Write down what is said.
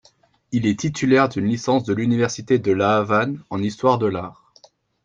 Il est titulaire d'une licence de l'université de La Havane en histoire de l'art.